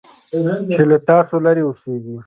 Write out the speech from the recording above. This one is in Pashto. چې له تاسو لرې اوسيږي .